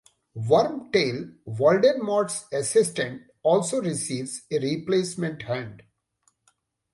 Wormtail, Voldemort's assistant, also receives a replacement hand.